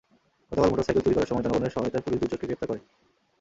গতকাল মোটরসাইকেল চুরি করার সময় জনগণের সহায়তায় পুলিশ দুই চোরকে গ্রেপ্তার করে।